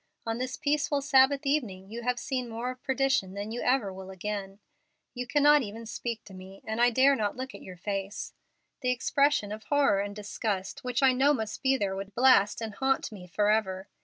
On this peaceful Sabbath evening you have seen more of perdition than you ever will again. You cannot even speak to me, and I dare not look at your face. The expression of horror and disgust which I know must be there would blast me and haunt me forever.